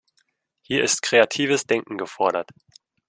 Hier ist kreatives Denken gefordert.